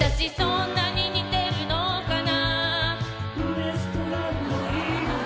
「そんなに似てるのかな」